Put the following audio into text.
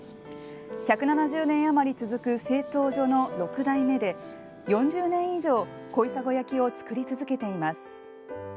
１７０年あまり続く製陶所の６代目で４０年以上小砂焼を作り続けています。